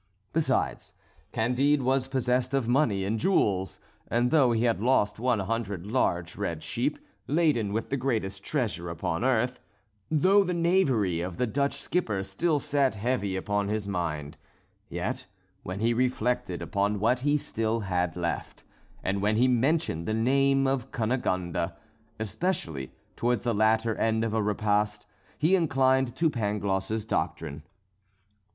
Besides, Candide was possessed of money and jewels, and though he had lost one hundred large red sheep, laden with the greatest treasure upon earth; though the knavery of the Dutch skipper still sat heavy upon his mind; yet when he reflected upon what he had still left, and when he mentioned the name of Cunegonde, especially towards the latter end of a repast, he inclined to Pangloss's doctrine.